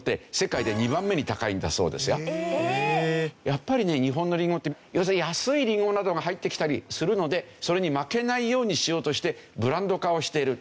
やっぱりね日本のりんごって要するに安いりんごなどが入ってきたりするのでそれに負けないようにしようとしてブランド化をしている。